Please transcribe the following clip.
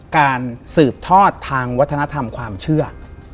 การสืบทอดทางวัฒนธรรมความเชื่อ